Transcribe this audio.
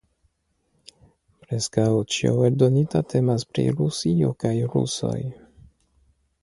Preskaŭ ĉio eldonita temas pri Rusio kaj rusoj.